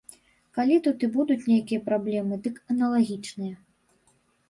Калі тут і будуць нейкія праблемы, дык аналагічныя.